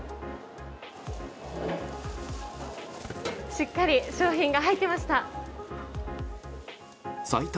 しっかり商品が入っていました。